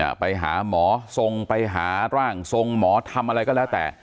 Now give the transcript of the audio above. ไปหาหมอทรงไปหาร่างทรงหมอทำอะไรก็แล้วแต่